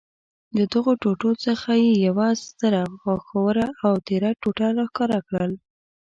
له دغو ټوټو څخه یې یوه ستره، غاښوره او تېره ټوټه را ښکاره کړل.